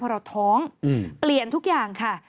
พอเราท้องเปลี่ยนทุกอย่างค่ะ